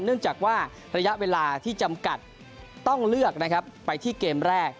เนื่องจากว่าระยะเวลาที่จำกัดต้องเลือกนะครับไปที่เกมแรก